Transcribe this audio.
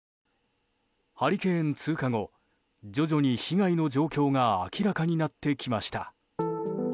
ハリケーン通過後徐々に被害の状況が明らかになってきました。